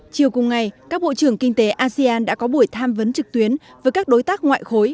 chiều cùng ngày các bộ trưởng kinh tế asean đã có buổi tham vấn trực tuyến với các đối tác ngoại khối